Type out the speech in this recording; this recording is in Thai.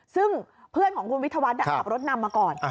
ซึ่งเพื่อนของคุณวิทยาวัฒน์ขับรถนำมาก่อน